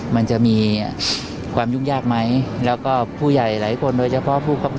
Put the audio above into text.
มันจะมีความยุ่งยากไหมแล้วก็ผู้ใหญ่หลายคนโดยเฉพาะผู้คับค